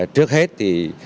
trước hết thì